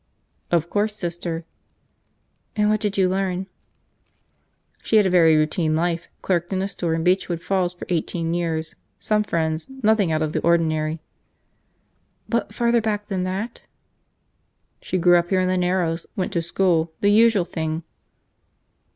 "Of course, Sister." "And what did you learn?" "She had a very routine life, clerked in a store in Beechwood Falls for eighteen years, some friends, nothing out of the ordinary." "But farther back than that?" "She grew up here in the Narrows, went to school, the usual thing."